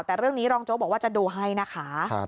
แต่เรื่องนี้รองโจ๊กบอกว่าจะดูให้นะคะ